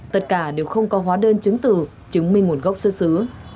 tất cả đều không có hóa đơn chứng từ chứng minh nguồn gốc xuất xứ